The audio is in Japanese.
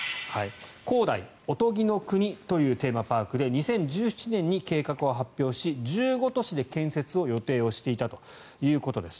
恒大おとぎの国というテーマパークで２０１７年に計画を発表し１５都市で建設を予定していたということです。